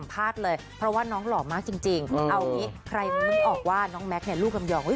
เพราะว่าน้องน้องล่อกันมาจริง